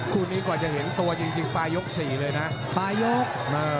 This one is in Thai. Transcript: ฮูนี้กว่าจะเห็นตัวยิ่งปลายกาล๔เลยนะ